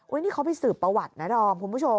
นี่เขาไปสืบประวัตินะดอมคุณผู้ชม